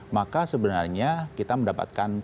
maka sebenarnya kita mendapatkan